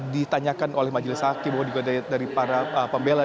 ditanyakan oleh majelis hakim bahwa juga dari para pembela